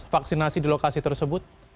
vaksinasi di lokasi tersebut